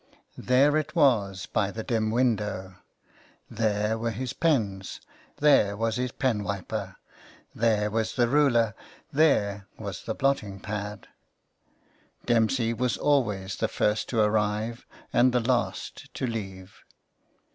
There it was by the dim window, there were his pens, there was his penwiper, there was the ruler, there was the blotting pad. Dempsey was always the first to arrive and the last to leave.